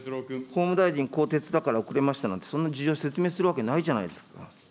法務大臣更迭だから遅れましたなんて、そんな事情説明するわけないじゃないですか。